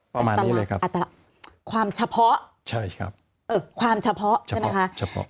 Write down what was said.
ประมาณนี้เลยครับอัตราความเฉพาะใช่ครับความเฉพาะใช่ไหมคะ